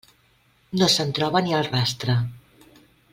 No se'n troba ni el rastre.